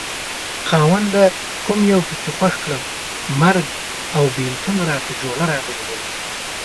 خاونده کوم يو پکې خوښ کړم مرګ او بېلتون راته جوړه راغلي دينه